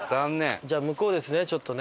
じゃあ向こうですねちょっとね。